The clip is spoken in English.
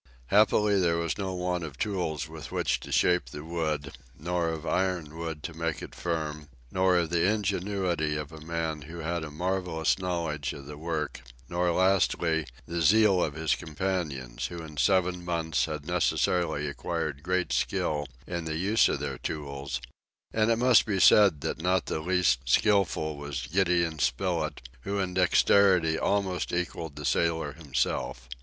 Happily there was no want of tools with which to shape the wood, nor of iron work to make it firm, nor of the ingenuity of a man who had a marvelous knowledge of the work, nor lastly, the zeal of his companions, who in seven months had necessarily acquired great skill in the use of their tools; and it must be said that not the least skilful was Gideon Spilett, who in dexterity almost equaled the sailor himself.